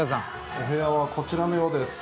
お部屋はこちらのようです。